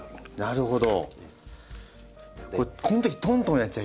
なるほど！